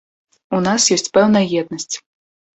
У нас ёсць пэўная еднасць.